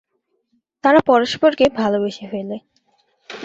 তারা পরস্পরকে ভালোবেসে ফেলে।